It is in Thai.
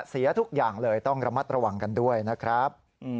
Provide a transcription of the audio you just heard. เสียทุกอย่างเลยต้องระมัดระวังกันด้วยนะครับ